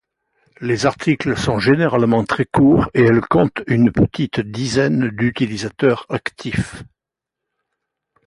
Les articles sont généralement très courts et elle compte une petite dizaine d'utilisateur actifs.